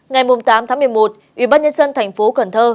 ngày tám tháng một mươi một ubnd tp cn dương tấn hiển dương tấn hiển